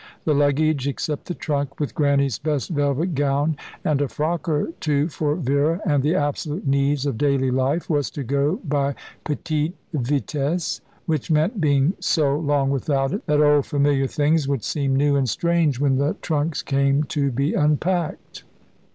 The luggage, except the trunk with Grannie's best velvet gown, and a frock or two for Vera, and the absolute needs of daily life, was to go by Petite Vitesse, which meant being so long without it, that old familiar things would seem new and strange when the trunks came to be unpacked.